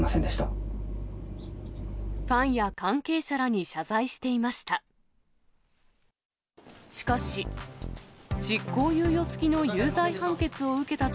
ファンや関係者らに謝罪していました。